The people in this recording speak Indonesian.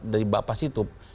dari bapak situp